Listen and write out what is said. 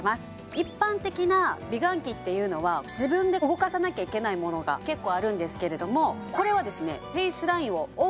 一般的な美顔器っていうのは自分で動かさなきゃいけないものが結構あるんですけれどもこれはですね